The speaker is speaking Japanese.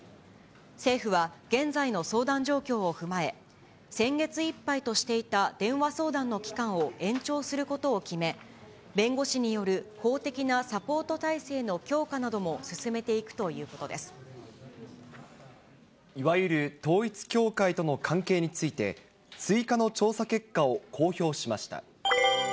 政府は現在の相談状況を踏まえ、先月いっぱいとしていた電話相談の期間を延長することを決め、弁護士による法的なサポート体制の強化なども進めていくというこいわゆる統一教会との関係について、追加の調査結果を公表しました。